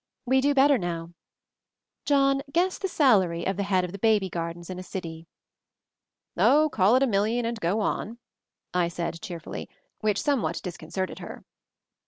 We do better now. John, guess the salary of the head of the Baby Gardens in a city." "Oh, call it a million, and go on," I said cheerfully; which somewhat disconcerted her.